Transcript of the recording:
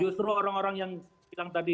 justru orang orang yang bilang tadi